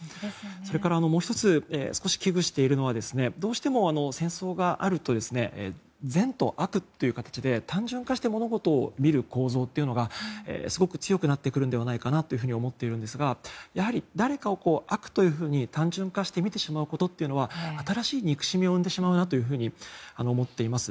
それから、もう１つ危惧しているのがどうしても戦争があると善と悪という形で単純化して物事を見る構造がすごく強くなってくるのではないかと思っているんですがやはり、誰かを悪と単純化して見てしまうことは新しい憎しみを生んでしまうと思っています。